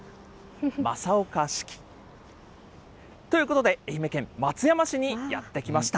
正岡子規。ということで、愛媛県松山市にやって来ました。